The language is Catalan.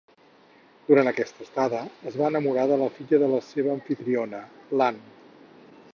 Durant aquesta estada, es va enamorar de la filla de la seva amfitriona, l"Anne.